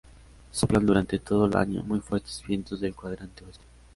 Soplan durante todo el año muy fuertes vientos del cuadrante oeste.